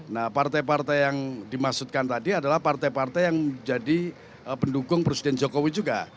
nah partai partai yang dimaksudkan tadi adalah partai partai yang menjadi pendukung presiden jokowi juga